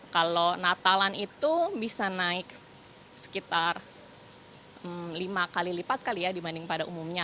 kalau natalan itu bisa naik sekitar lima kali lipat kali ya dibanding pada umumnya